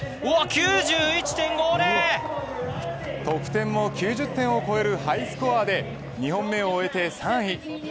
得点も９０点を超えるハイスコアで２本目を終えて３位。